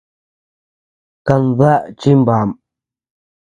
Kandaʼá chimbaʼa.